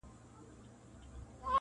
• او له هیلمند څخه تر جلال آباد -